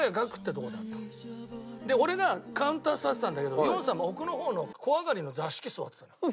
俺がカウンター座ってたんだけどヨン様奥の方の小上がりの座敷座ってたのよ。